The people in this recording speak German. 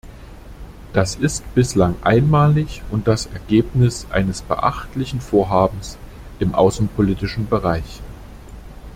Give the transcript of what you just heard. Das ist bislang einmalig und das Ergebnis eines beachtlichen Vorhabens im außenpolitischen Bereich.